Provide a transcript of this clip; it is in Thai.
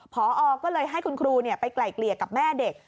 พอก็เลยให้คุณครูไปไกล่เกลี่ยกับแม่เด็ก